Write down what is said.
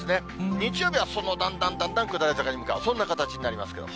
日曜日はだんだんだんだん下り坂に向かう、そんな形になりますけど。